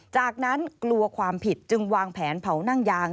จากนั้นกลัวความผิดจึงวางแผนเผานั่งยาง